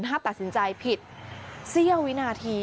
ถ้าตัดสินใจผิดเสี้ยววินาที